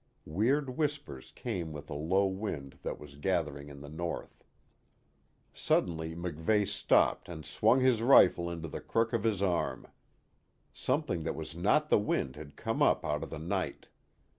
Weird whispers came with a low wind that was gathering in the north. Suddenly MacVeigh stopped and swung his rifle into the crook of his arm. Something that was not the wind had come up out of the night.